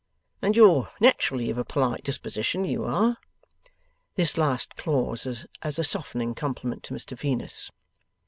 And you're naturally of a polite disposition, you are.' This last clause as a softening compliment to Mr Venus.